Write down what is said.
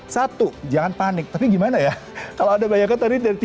satu jangan panik tapi gimana ya kalau ada banyak yang terlalu dari tiga puluh tujuh kaki